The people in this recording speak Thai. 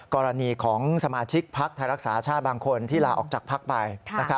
กรณีของสมาชิกภักดิ์ไทยรักษาชาติบางคนที่ลาออกจากพักไป